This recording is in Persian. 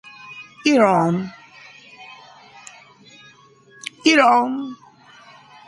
مساوی